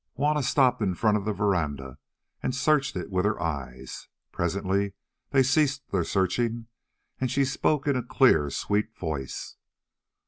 Juanna stopped in front of the verandah and searched it with her eyes. Presently they ceased their searching and she spoke in a clear, sweet voice.